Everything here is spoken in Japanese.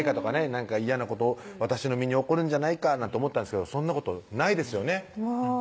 何か嫌なこと私の身に起こるんじゃないかなんて思ってたんですけどそんなことないですよね